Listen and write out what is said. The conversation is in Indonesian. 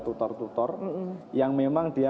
tutor tutor yang memang dia